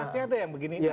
masih ada yang begini